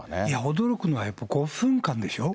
驚くのは５分間でしょ。